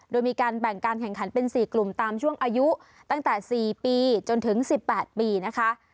โดยมีการแบ่งการแข่งขันเป็น๔กลุ่มตามช่วงอายุตั้งแต่๔ปีจนถึง๑๘ปีนะคะ